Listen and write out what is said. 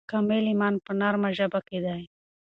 کامل ایمان په نرمه ژبه کې دی.